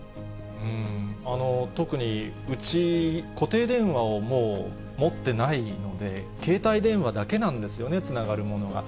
特に、うち、固定電話をもう持ってないので、携帯電話だけなんですよね、つながるものが。